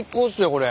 これ。